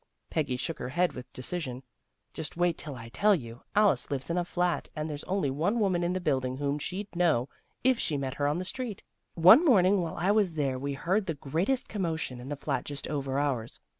Peggy shook her head with decision. " Just wait till I tell you. Alice lives in a flat, and there's only one woman in the building whom she'd know if she met her on the street. One morning while I was there we heard the great est commotion in the flat just over ours.